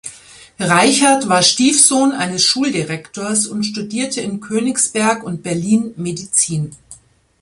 Reichert war Stiefsohn eines Schuldirektors und studierte in Königsberg und Berlin Medizin.